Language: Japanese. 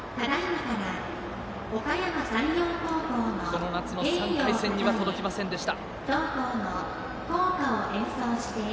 この夏の３回戦には届きませんでした。